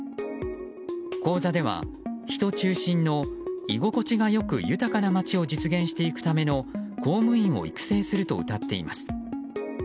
講座では人中心の居心地が良く豊かなまちを実現していくための公務員を育成するとうたっています。